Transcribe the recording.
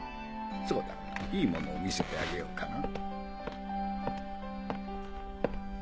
そうだいいものを見せてあげようかな。